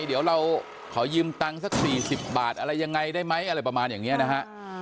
เดี๋ยวเราขอยืมตังค์สัก๔๐บาทอะไรยังไงได้ไหมอะไรประมาณอย่างนี้นะฮะ